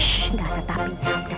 shh gak ada tapi